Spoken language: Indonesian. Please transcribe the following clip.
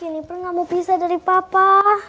jeniper gak mau pisah dari papa